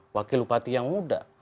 wakil bupati yang muda